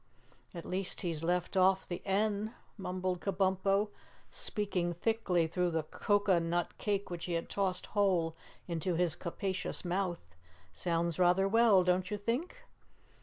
"At least he's left off the N," mumbled Kabumpo, speaking thickly through the cocoanut cake which he had tossed whole into his capacious mouth. "Sounds rather well, don't you think?"